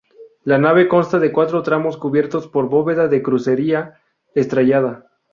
La nave consta de cuatro tramos cubiertos por bóveda de crucería estrellada.